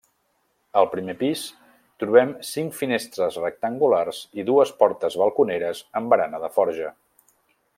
Al primer pis trobem cinc finestres rectangulars i dues portes balconeres amb barana de forja.